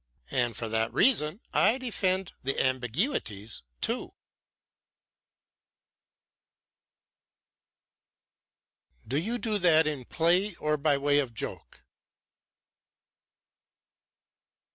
And for that reason I defend the ambiguities too." "Do you do that in play or by way of joke?"